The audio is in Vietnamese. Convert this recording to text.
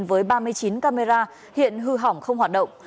với ba mươi chín camera hiện hư hỏng không hoạt động